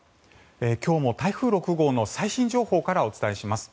今日も台風６号の最新情報からお伝えします。